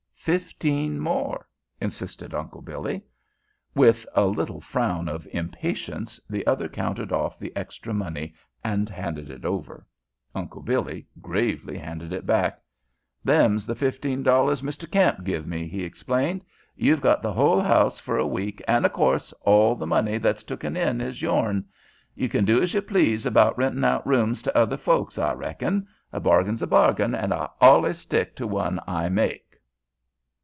"Fifteen more," insisted Uncle Billy. With a little frown of impatience the other counted off the extra money and handed it over. Uncle Billy gravely handed it back. "Them's the fifteen dollars Mr. Kamp give me," he explained. "You've got the hull house fer a week, an' o' course all th' money that's tooken in is your'n. You kin do as ye please about rentin' out rooms to other folks, I reckon. A bargain's a bargain, an' I allus stick to one I make."